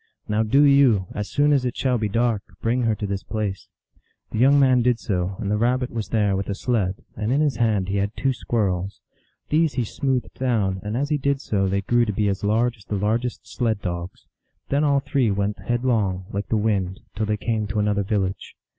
Now do you, as soon as it shall be dark, bring her to this place." The young man did so, and the Rabbit was there with a sled, and in his hand he had two squirrels. These he smoothed down, and as he did so they grew to be as large as the largest sled dogs. Then all three went headlong, like the wind, till they came to an other village.